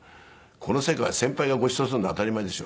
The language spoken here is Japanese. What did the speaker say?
この世界先輩がごちそうするのが当たり前でしょ」。